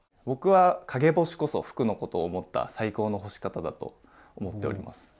僕は陰干しこそ服のことを思った最高の干し方だと思っております。